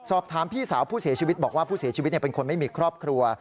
สอบถามพี่สาวผู้เสียชีวิตบอกว่าผู้เสียชีวิตเป็นคนไม่มีครอบครัว